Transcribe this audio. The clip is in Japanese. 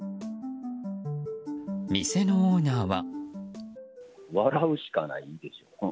店のオーナーは。